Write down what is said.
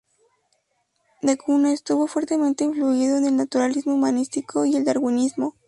Da Cunha estuvo fuertemente influido por el naturalismo humanístico y el darwinismo.